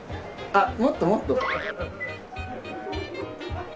あっもっともっと。